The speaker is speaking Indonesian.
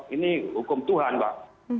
ini hukum tuhan mbak